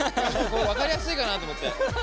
分かりやすいかなと思って。